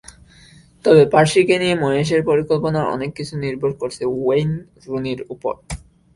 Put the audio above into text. তবে পার্সিকে নিয়ে ময়েসের পরিকল্পনার অনেক কিছু নির্ভর করছে ওয়েইন রুনির ওপর।